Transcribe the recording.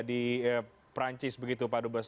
di perancis begitu pak dubes